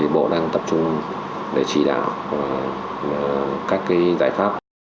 bộ đang tập trung để chỉ đạo các giải pháp